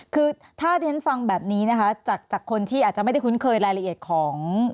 คือถ้าที่ฉันฟังแบบนี้นะคะจากคนที่อาจจะไม่ได้คุ้นเคยรายละเอียดของ